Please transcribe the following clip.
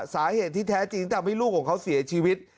สาเหตุที่แท้จริงที่ทำให้ลูกของเขาเสียชีวิต